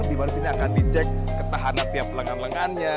di mana sini akan dicek ketahanan tiap lengan lengannya